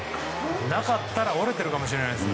なかったら折れてるかもしれないです。